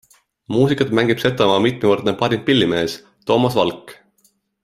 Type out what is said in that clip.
Muusikat mängib Setomaa mitmekordne parim pillimees Toomas Valk.